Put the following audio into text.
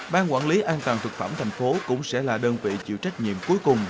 ban quản lý an toàn thực phẩm tp hcm cũng sẽ là đơn vị chịu trách nhiệm cuối cùng